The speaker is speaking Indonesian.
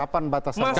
kapan batas waktunya